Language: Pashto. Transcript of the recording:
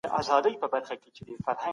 ولي ماشومان د طبیعت په اړه پوښتني کوي؟